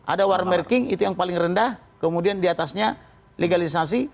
ada warmarking itu yang paling rendah kemudian diatasnya legalisasi